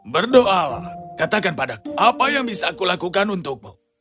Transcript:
berdoa lah katakan pada aku apa yang bisa aku lakukan untukmu